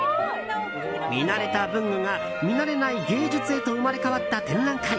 見慣れた文具が見慣れない芸術へと生まれ変わった展覧会。